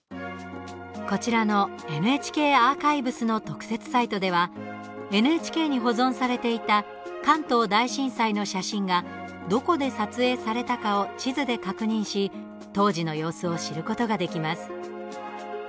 こちらのＮＨＫアーカイブスの特設サイトではＮＨＫに保存されていた関東大震災の写真が、どこで撮影されたかを地図で確認し当時の様子を知ることができます。